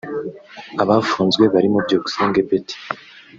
Abafunzwe barimo Byukusenge Betty